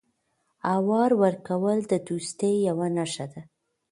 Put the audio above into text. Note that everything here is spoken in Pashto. احوال ورکول د دوستۍ یوه نښه ده.